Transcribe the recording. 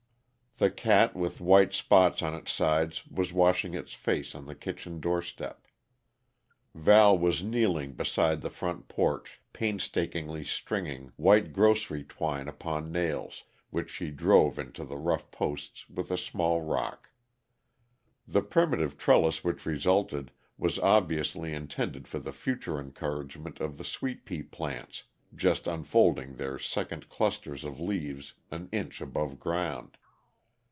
The cat with white spots on its sides was washing its face on the kitchen doorstep. Val was kneeling beside the front porch, painstakingly stringing white grocery twine upon nails, which she drove into the rough posts with a small rock. The primitive trellis which resulted was obviously intended for the future encouragement of the sweet pea plants just unfolding their second clusters of leaves an inch above ground.